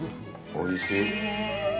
おいしい。